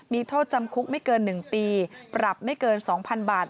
มีโทษจำคุกไม่เกิน๑ปีปรับไม่เกิน๒๐๐๐บาท